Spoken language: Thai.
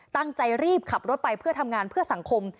ตั้งใจรีบขับรถไปเพื่อทำงานเพื่อสังคม